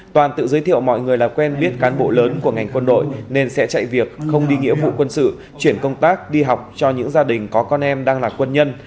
toàn tự giới thiệu mọi người là quen biết cán bộ lớn của ngành quân đội nên sẽ chạy việc không đi nghĩa vụ quân sự chuyển công tác đi học cho những gia đình có con em đang là quân nhân